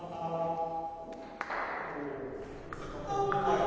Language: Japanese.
ああ。